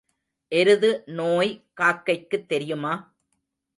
எருது நோய் காக்கைக்குத் தெரியுமா?